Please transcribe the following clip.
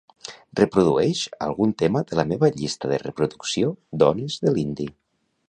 Reprodueix algun tema de la meva llista de reproducció "dones de l'indie".